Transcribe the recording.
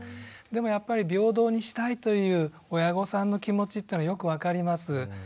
でもやっぱり平等にしたいという親御さんの気持ちっていうのはよく分かります。